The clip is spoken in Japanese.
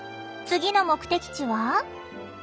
次の目的地は。